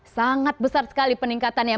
sangat besar sekali peningkatannya